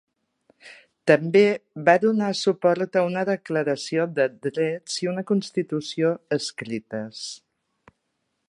També va donar suport a una declaració de drets i una constitució escrites.